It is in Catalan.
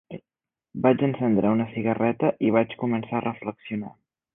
Vaig encendre una cigarreta i vaig començar a reflexionar.